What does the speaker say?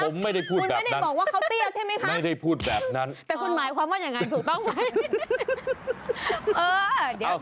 ผมไม่ได้พูดแบบนั้นไม่ได้พูดแบบนั้นแต่คุณหมายความว่าอย่างนั้นสูงต้องไหม